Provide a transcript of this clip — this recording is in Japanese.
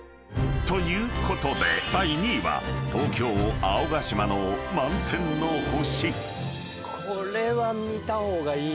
［ということで第２位は東京青ヶ島の満天の星］